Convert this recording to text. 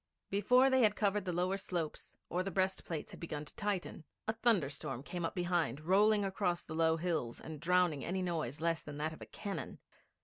Before they had covered the lower slopes or the breastplates had begun to tighten, a thunderstorm came up behind, rolling across the low hills and drowning any noise less than that of cannon.